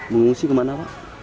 mengungsi kemana pak